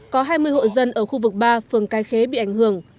có hai mươi hộ dân ở khu vực ba phường cái khế bị ảnh hưởng